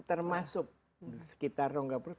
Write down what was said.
termasuk sekitar rongga perut